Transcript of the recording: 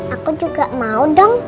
aku juga mau dong